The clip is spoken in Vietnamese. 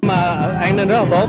an ninh rất là tốt